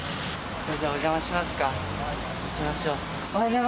じゃあ、お邪魔しますか。